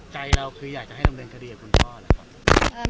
ใจเราคืออยากจะให้ดำเนินคดีกับคุณพ่อนะครับ